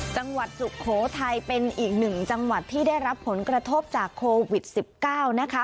สุโขทัยเป็นอีกหนึ่งจังหวัดที่ได้รับผลกระทบจากโควิด๑๙นะคะ